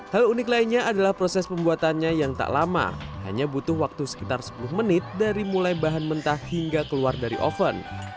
hal unik lainnya adalah proses pembuatannya yang tak lama hanya butuh waktu sekitar sepuluh menit dari mulai bahan mentah hingga keluar dari oven